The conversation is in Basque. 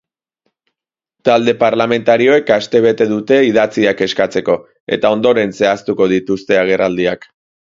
Talde parlamentarioek astebete dute idatziak eskatzeko, eta ondoren zehaztuko dituzte agerraldiak.